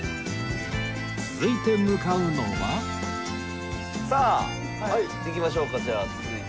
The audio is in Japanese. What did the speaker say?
続いて向かうのはさあ行きましょうかじゃあ続いて。